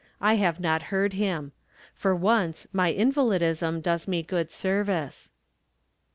I have not heard him. For once my invahdism does me good service.